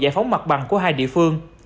giải phóng mặt bằng của hai địa phương